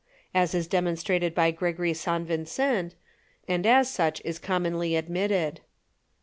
As is demonstrated by Gregory San Vincent; and as such is commonly admitted.